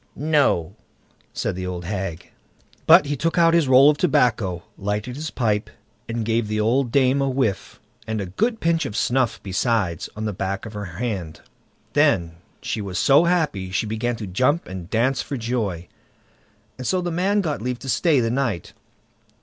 "No!" said the old hag. But he took out his roll of tobacco, lighted his pipe, and gave the old dame a whiff, and a good pinch of snuff besides, on the back of her hand. Then she was so happy that she began to jump and dance for joy, and so the man got leave to stay the night.